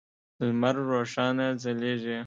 لمر روښانه ځلیږی